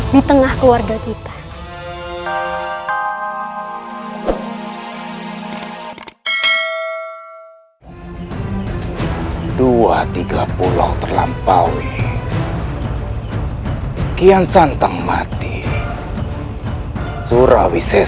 di tengah keluarga kita